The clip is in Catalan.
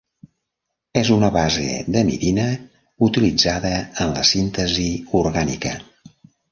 És una base d'amidina utilitzada en la síntesi orgànica.